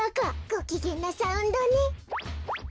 ごきげんなサウンドね。